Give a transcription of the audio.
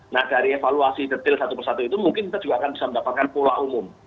nah dari evaluasi detail satu persatu itu mungkin kita juga akan bisa mendapatkan pola umum